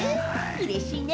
うれしいですね。